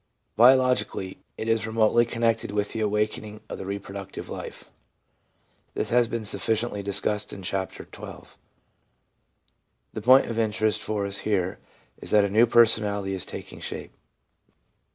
Biologic ally, it is remotely connected with the awakening of the reproductive life. This has been sufficiently discussed in Chapter XI L The point of interest for us here is that a new personality is taking shape.